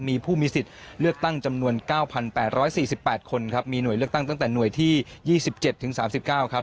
มีผู้มีสิทธิ์เลือกตั้งจำนวน๙๘๔๘คนครับมีหน่วยเลือกตั้งตั้งแต่หน่วยที่๒๗ถึง๓๙ครับ